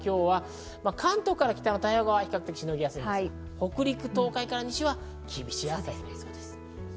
関東から北の太平洋側はしのぎやすいんですが、北陸、東海から西は厳しい暑さになりそうです。